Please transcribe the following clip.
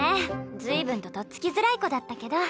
随分ととっつきづらい子だったけど。